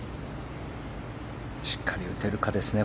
しっかり打てるかですね